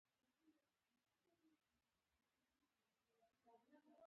د ټوخي لپاره د څه شي اوبه وڅښم؟